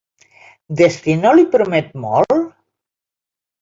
Destino li promet molt?